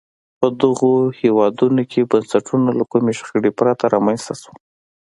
په دغو هېوادونو کې بنسټونه له کومې شخړې پرته رامنځته شول.